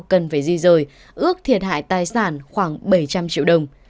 cần phải gì rồi ước thiệt hại tài sản khoảng bảy trăm linh triệu đồng